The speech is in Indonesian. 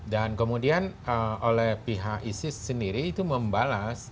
dan kemudian oleh pihak isis sendiri itu membalas